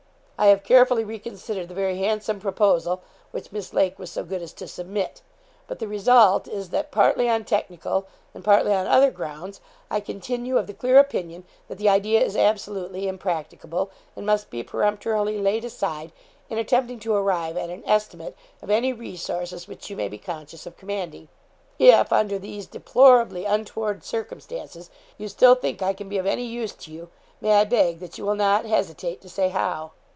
I have carefully reconsidered the very handsome proposal which Miss Lake was so good as to submit; but the result is that, partly on technical, and partly on other grounds, I continue of the clear opinion that the idea is absolutely impracticable, and must be peremptorily laid aside in attempting to arrive at an estimate of any resources which you may be conscious of commanding. If, under these deplorably untoward circumstances, you still think I can be of any use to you, may I beg that you will not hesitate to say how.